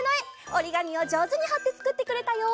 おりがみをじょうずにはってつくってくれたよ！